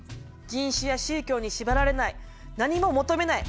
人種や宗教に縛られない何も求めない